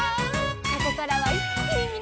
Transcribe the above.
「ここからはいっきにみなさまを」